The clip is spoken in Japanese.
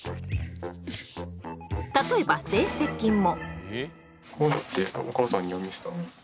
例えば成績も。